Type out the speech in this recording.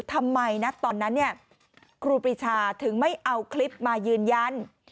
ทำไมนะตอนนั้นครูปรีชาถึงไม่เอาคลิปมายืนยัน